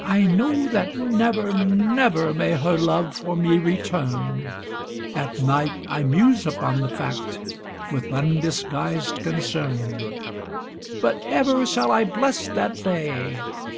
I know that never, never may her love for me return At night I muse upon the fact with undisguised concern But ever shall I bless that day!